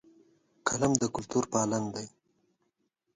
قلم د کلتور پالن دی